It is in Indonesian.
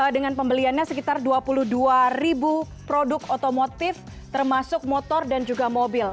dengan pembeliannya sekitar dua puluh dua ribu produk otomotif termasuk motor dan juga mobil